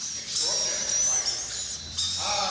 'Extraordinary!' cried Nicholas. 'Ah!